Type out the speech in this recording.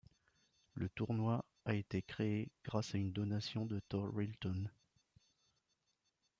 Le tournoi a été créé grâce à une donation de Tore Rilton.